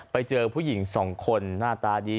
ไปเจอผู้หญิงสองคนหน้าตาดี